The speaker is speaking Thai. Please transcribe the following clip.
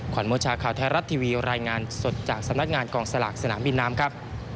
วันโมชาข่าวไทยรัฐทีวีรายงานสดจากสำนักงานกองสลากสนามบินน้ำครับ